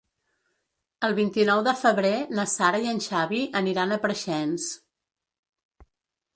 El vint-i-nou de febrer na Sara i en Xavi aniran a Preixens.